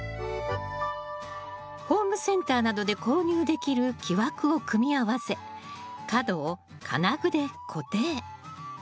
ホームセンターなどで購入できる木枠を組み合わせ角を金具で固定。